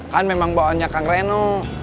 kan memang bawaannya kang reno